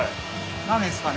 何ですかね？